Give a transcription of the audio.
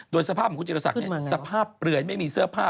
โดยสภาพของคุณจิรษักสภาพเปลือยไม่มีเสื้อผ้า